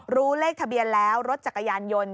รู้เลขทะเบียนแล้วรถจักรยานยนต์